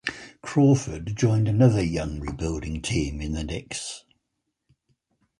Crawford joined another young rebuilding team in the Knicks.